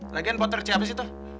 lagian poter siapa sih tuh